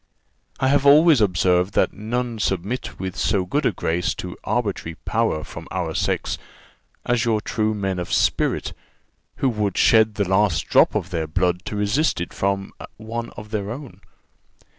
"I have always observed that none submit with so good a grace to arbitrary power from our sex as your true men of spirit, who would shed the last drop of their blood to resist it from one of their own.